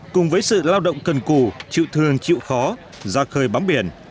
cùng với sự lao động cần cù chịu thương chịu khó ra khơi bám biển